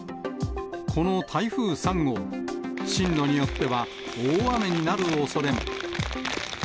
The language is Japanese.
この台風３号、進路によっては、大雨になるおそれも。